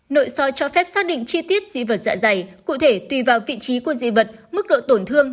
nội soi cho phép xác định chi tiết di vật dạ dày cụ thể tùy vào vị trí của di vật mức độ tổn thương